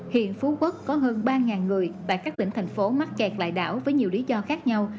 hiện phú quốc có hơn ba người tại các tỉnh thành phố mắc kẹt lại đảo với nhiều lý do khác nhau